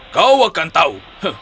kau akan tahu